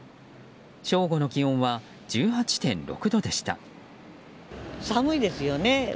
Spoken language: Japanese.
正午の気温は１８．６度でした。